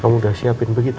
kamu udah siapin begitu